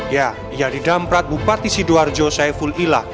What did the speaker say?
ya ya di dam prat bupati sidoarjo saiful ila